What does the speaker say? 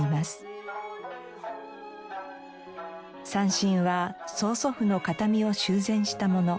三線は曽祖父の形見を修繕したもの。